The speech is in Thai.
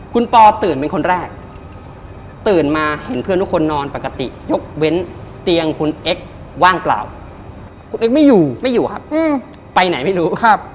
คุณเอกไม่อยู่ครับไปไหนไม่รู้